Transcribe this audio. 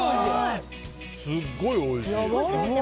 すっごいおいしい。